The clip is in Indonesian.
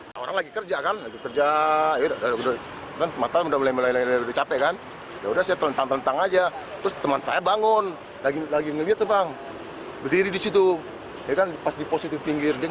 saya tidak berhasil mencari penyelesaian untuk mengambil alih dari tempat yang terdekat